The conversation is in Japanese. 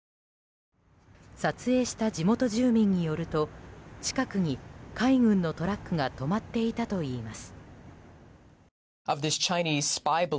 撮影した地元住民によると近くに海軍のトラックが止まっていたといいます。